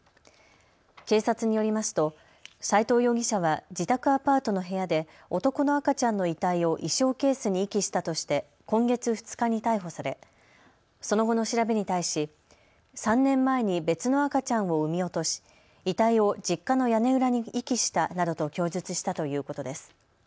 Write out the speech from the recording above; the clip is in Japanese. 警察によりますと齋藤容疑者は自宅アパートの部屋で男の赤ちゃんの遺体を衣装ケースに遺棄したとして今月２日に逮捕されその後の調べに対し３年前に別の赤ちゃんを産み落とし遺体を実家の屋根裏に遺棄したなどと供述したということです。